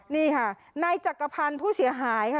นี่ค่ะนายจักรพันธ์ผู้เสียหายค่ะ